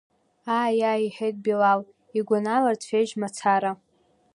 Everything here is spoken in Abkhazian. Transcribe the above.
Ааи, ааи, – иҳәеит Билал игәанала, рцәеижь мацара.